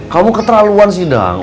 kamu keterlaluan sih dang